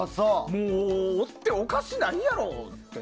おっても、おかしないやろって。